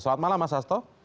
selamat malam mas hasto